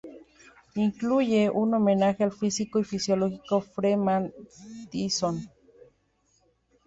Incluye un homenaje al físico y filósofo Freeman Dyson.